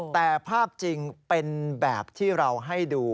แต่ภาพจริงเป็นแบบที่เราให้ดู